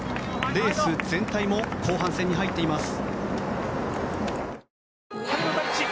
レース全体も後半戦に入っています。